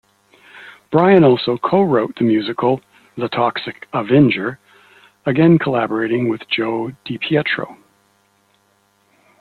Bryan also co-wrote the musical "The Toxic Avenger", again collaborating with Joe DiPietro.